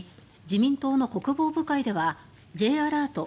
自民党の国防部会ではＪアラート